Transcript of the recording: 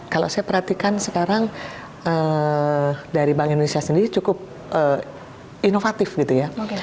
kalau saya perhatikan sekarang dari bank indonesia sendiri cukup inovatif gitu ya